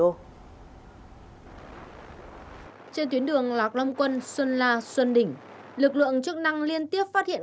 trên tuyến đường lạc long quân xuân la xuân đỉnh lực lượng chức năng liên tiếp phát hiện